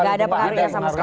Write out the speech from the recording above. gak ada pengaruhnya sama sekali